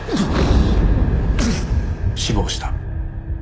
死亡した。